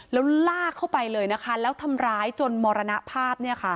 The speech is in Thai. แล้วลากเข้าไปเลยนะคะแล้วทำร้ายจนมรณภาพเนี่ยค่ะ